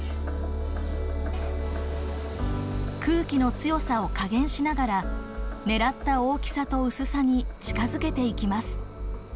空気の強さを加減しながら狙った大きさと薄さに近づけていきます。